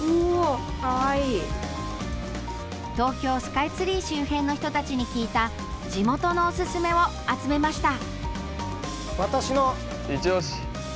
東京スカイツリー周辺の人たちに聞いた地元のおすすめを集めました。